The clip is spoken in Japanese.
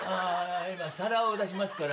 今皿を出しますから。